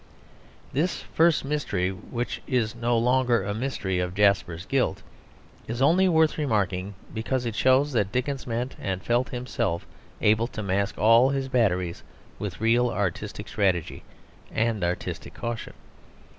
This first mystery (which is no longer a mystery) of Jasper's guilt, is only worth remarking because it shows that Dickens meant and felt himself able to mask all his batteries with real artistic strategy and artistic caution.